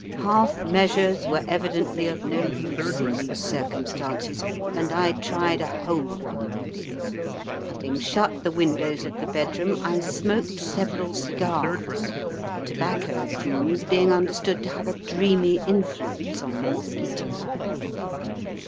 Half measures were evidently of no use in these circumstances, and I tried a whole one. Having shut the windows of the bedroom, I smoked several cigars, tobacco fumes being understood to have a dreamy influence on the mosquito.